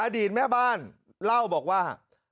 อดีตแม่บ้านเล่าบอกว่า